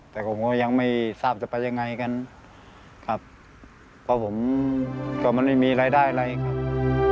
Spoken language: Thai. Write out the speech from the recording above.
แต่ผมก็ยังไม่ทราบจะไปยังไงกันครับเพราะผมก็มันไม่มีรายได้อะไรครับ